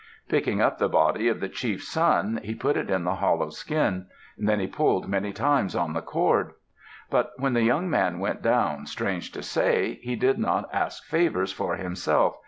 Picking up the body of the chief's son, he put it in the hollow skin. Then he pulled many times on the cord. But when the young man went down, strange to say, he did not ask favors for himself.